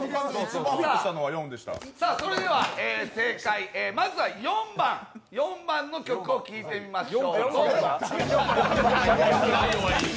それでは正解まずは４番の曲を聴いてみましょう